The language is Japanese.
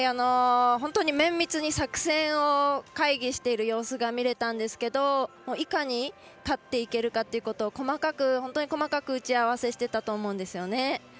本当に綿密に作戦会議をしている様子が見れたんですけどいかに勝っていけるか細かく打ち合わせしていたと思うんですね。